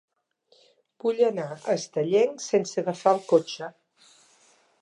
Vull anar a Estellencs sense agafar el cotxe.